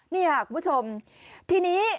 นี่ค่ะคุณผู้ชมทีนี้